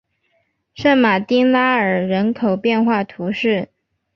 圣马丁拉尔人口变化图示